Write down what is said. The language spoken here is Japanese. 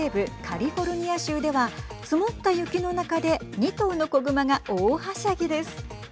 カリフォルニア州では積もった雪の中で２頭の小熊が大はしゃぎです。